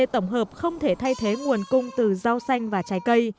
tổng hợp không thể thay thế nguồn cung từ rau xanh và trái cây